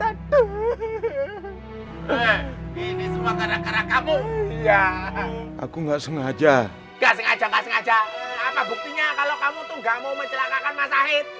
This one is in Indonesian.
aku nggak sengaja sengaja buktinya kalau kamu tuh gak mau mencelakakan mas zahid